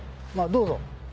どうぞ。